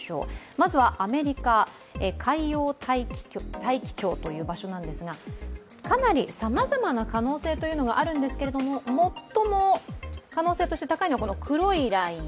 まずはアメリカ海洋大気庁という場所ですがかなりさまざまな可能性というのがあるんですけれども最も可能性として高いのがこの黒いライン